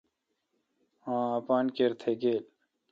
اں پان کیا تھ گے°